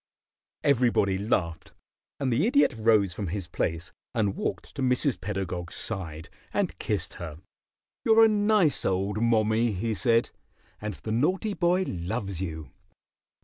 Everybody laughed, and the Idiot rose from his place and walked to Mrs. Pedagog's side and kissed her. "You're a nice old mommie," he said, "and the naughty boy loves you.